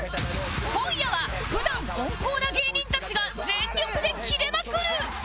今夜は普段温厚な芸人たちが全力でキレまくる！